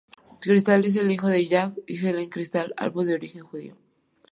Crystal es el hijo de Jack y Helen Crystal, ambos de origen judío.